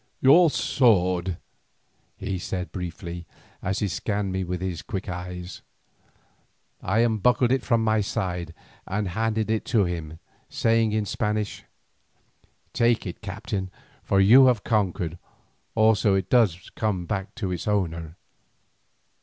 "Your sword," he said briefly, as he scanned me with his quick eyes. I unbuckled it from my side and handed it to him, saying in Spanish: "Take it, Captain, for you have conquered, also it does but come back to its owner."